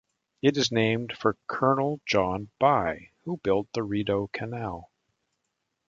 It is named for Colonel John By, who built the Rideau Canal.